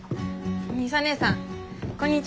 ミサ姐さんこんにちは。